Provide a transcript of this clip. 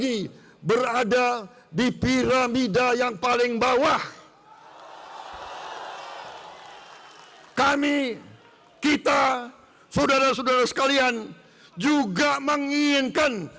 ini berada di piramida yang paling bawah kami kita saudara saudara sekalian juga menginginkan